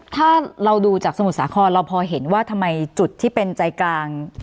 ถ้าเราดูจากสมุทรสาครเราพอเห็นว่าทำไมจุดที่เป็นใจกลาง